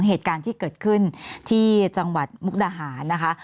เหตุการณ์ที่เกิดขึ้นที่จังหวัดมุกดาหารนะคะ